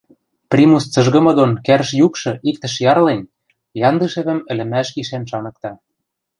Примус цыжгымы дон кӓрш юкшы иктӹш ярлен, Яндышевӹм ӹлӹмӓш гишӓн шаныкта.